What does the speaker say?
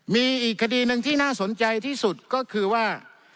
มีอีกคดีหนึ่งที่น่าสนใจที่สุดก็คือว่า